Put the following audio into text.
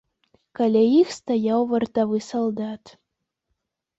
Каля іх стаяў вартавы салдат.